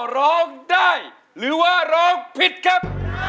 ร้องได้หรือว่าร้องผิดครับ